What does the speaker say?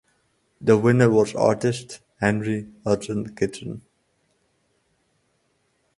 The winner was artist Henry Hudson Kitson.